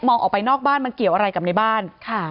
ออกไปนอกบ้านมันเกี่ยวอะไรกับในบ้าน